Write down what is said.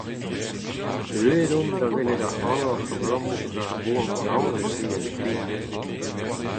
Deuet on da welet ac’hanoc’h abalamour d’ar boan daonet-se em glin.